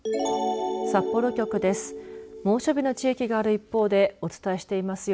札幌局です。